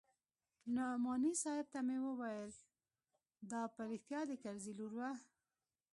نعماني صاحب ته مې وويل دا په رښتيا د کرزي لور وه.